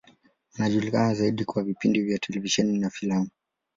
Anajulikana zaidi kwa vipindi vya televisheni na filamu.